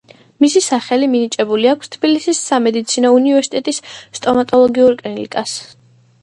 მისი სახელი მინიჭებული აქვს თბილისის სამედიცინო უნივერსიტეტის სტომატოლოგიურ კლინიკას.